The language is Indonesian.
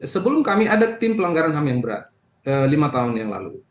sebelum kami ada tim pelanggaran ham yang berat lima tahun yang lalu